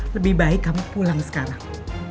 lebih baik kamu pulang sekarang